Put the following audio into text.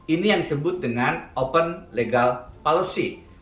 ini yang disebut dengan open legal policy